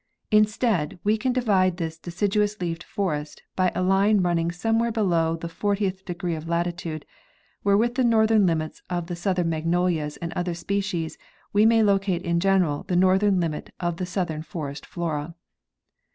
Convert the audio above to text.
Instead, we can divide this deciduous leaved forest by a line running somewhere below the fortieth degree of latitude, where with the northern limits of the southern magnolias and other species we may locate in general the northern limit of the south ern forest flora.